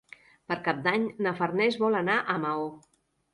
Per Cap d'Any na Farners vol anar a Maó.